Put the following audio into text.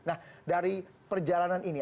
nah dari perjalanan ini